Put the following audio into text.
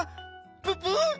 ププ！？